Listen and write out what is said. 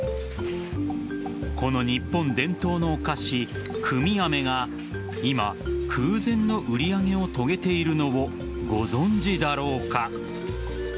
この日本伝統のお菓子・組み飴が今、空前の売り上げを遂げているのをご存じだろうか。